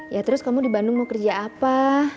ya terus kamu di bandung mau kerja apa